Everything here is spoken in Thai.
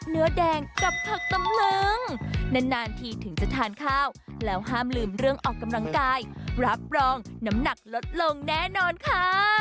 เนื้อแดงกับผักตำลึงนานทีถึงจะทานข้าวแล้วห้ามลืมเรื่องออกกำลังกายรับรองน้ำหนักลดลงแน่นอนค่ะ